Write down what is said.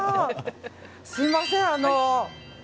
すみません